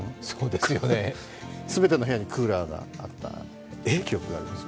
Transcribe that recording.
全ての部屋にクーラーがあった記憶があります。